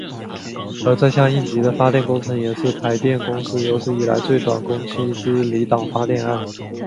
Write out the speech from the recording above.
而这项应急的发电工程也是台电公司有史以来最短工期之离岛发电案。